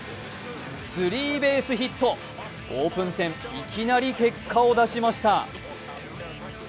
スリーベースヒット、オープン戦いきなり結果を出しました。